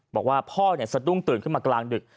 บอกว่าพ่อสะดุ้งตื่นขึ้นมากลางดึก